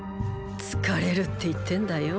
疲れるって言ってんだよ